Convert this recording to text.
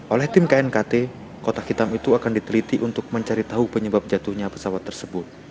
oleh tim knkt kotak hitam itu akan diteliti untuk mencari tahu penyebab jatuhnya pesawat tersebut